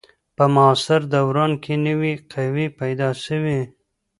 په معاصر دوران کي نوي قوې پیدا سوې.